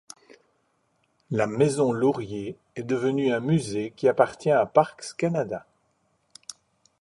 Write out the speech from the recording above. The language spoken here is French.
La Maison Laurier est devenue un musée qui appartient à Parcs Canada.